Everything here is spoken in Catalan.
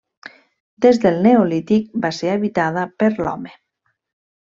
Des del Neolític, va ser habitada per l'home.